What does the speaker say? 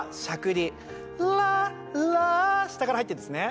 ｌａｌａ 下から入ってるんですね